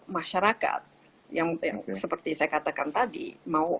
masyarakat yang seperti saya katakan tadi mau